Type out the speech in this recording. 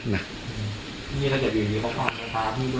นี่มีพวกนี้ก็มีความลึกท้าพี่ด้วย